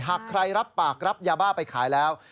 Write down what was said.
หากใครรับปากรับยาบ้าไปขายแล้ว